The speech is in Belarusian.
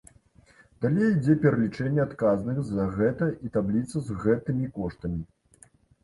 Далей ідзе пералічэнне адказных за гэта і табліца з гэтымі коштамі.